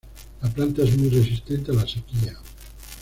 La planta es muy resistente a la sequía.